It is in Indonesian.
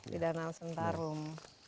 di danau sentarum